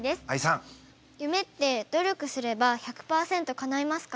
夢って努力すれば１００％かないますか？